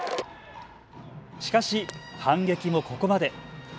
しかし反撃もここまで。